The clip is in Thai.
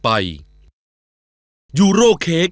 นางเฟิร์น